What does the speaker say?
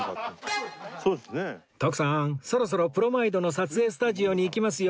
徳さんそろそろプロマイドの撮影スタジオに行きますよ